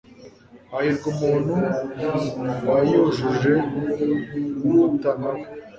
hahirwa umuntu wayujuje mu mutana we